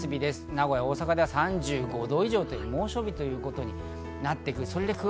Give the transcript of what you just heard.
名古屋、大阪では３５度以上、猛暑日ということになっていく。